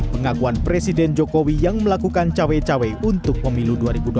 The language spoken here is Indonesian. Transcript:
pengakuan presiden jokowi yang melakukan cawe cawe untuk pemilu dua ribu dua puluh